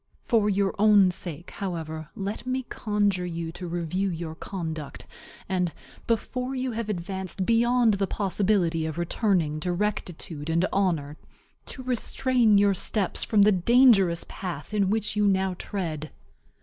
For your own sake, however, let me conjure you to review your conduct, and, before you have advanced beyond the possibility of returning to rectitude and honor, to restrain your steps from the dangerous path in which you now tread.